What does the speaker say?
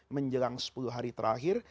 menjelang sepuluh hari terakhir